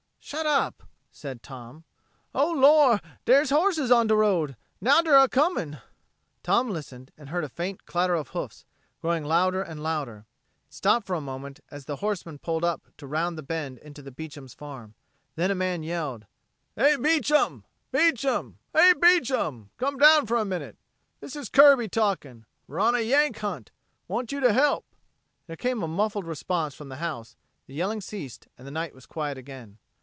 "Shut up!" said Tom. "O Lor' der's horses on de road! Now der a coming!" Tom listened and heard a faint clatter of hoofs, growing louder and louder. It stopped for a moment as the horsemen pulled up to round the bend into the Beecham's farm. Then a man yelled, "Hey, Beecham! Beecham! Hey, Beecham! Come down for a minute. This is Kirby talking. We're on a Yank hunt. Want you to help." There came a muffled response from the house, the yelling ceased and the night was quiet again.